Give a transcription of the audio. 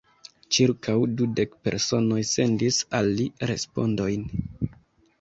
Ĉirkaŭ dudek personoj sendis al li respondojn.